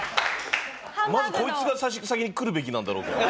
まずこいつが先に来るべきなんだろうけど。